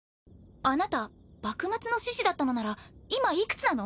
あなた幕末の志士だったのなら今幾つなの？